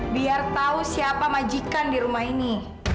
biar tahu siapa majikan di rumah ini